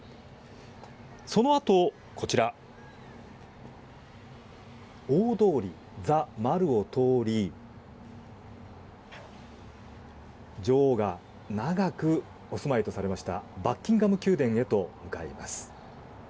そのあと大通り、ザ・マルを通り女王が長くお住まいとされましたバッキンガム宮殿へと向かいます。